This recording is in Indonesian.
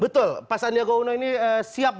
betul pak sandiaga uno ini siap